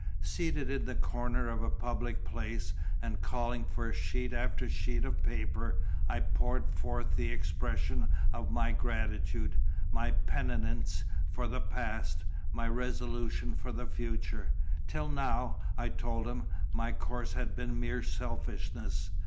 Seated in the corner of a public place, and calling for sheet after sheet of paper, I poured forth the expression of my gratitude, my penitence for the past, my resolutions for the future. Till now, I told him, my course had been mere selfishness.